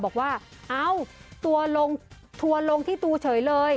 บอกว่าทัวร์ลงที่ตูเฉยเลย